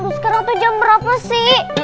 sekarang tuh jam berapa sih